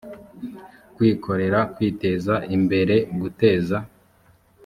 kwikorera kwiteza imbere guteza